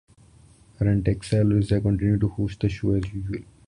Arantxa Alvarez continued to host the show as usual.